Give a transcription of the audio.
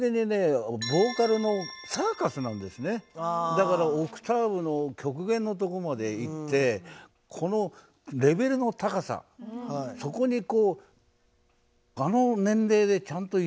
だからオクターブの極限のとこまでいってこのレベルの高さそこにあの年齢でちゃんと挑んでるところが。